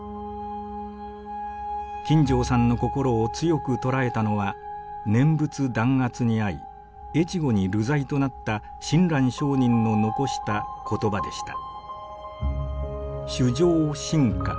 金城さんの心を強く捉えたのは念仏弾圧に遭い越後に流罪となった親鸞聖人の残した言葉でした。